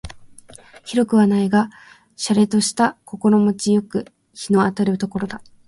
広くはないが瀟洒とした心持ち好く日の当たる所だ